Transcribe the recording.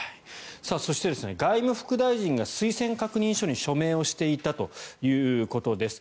そして、外務副大臣が推薦確認書に署名していたということです。